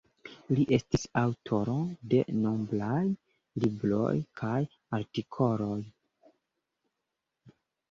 Li estis aŭtoro de nombraj libroj kaj artikoloj.